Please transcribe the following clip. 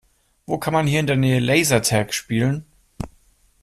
Wo kann man hier in der Nähe Lasertag spielen?